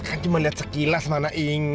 kan cuma liat sekilas mana inget lagi